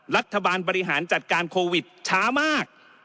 รัฐบาลบริหารจัดการโควิดช้ามาก